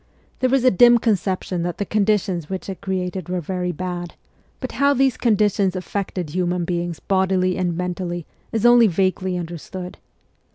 There is a dim conception that the condi tions which it created were very bad ; but how these conditions affected human beings bodily and mentally is only vaguely understood.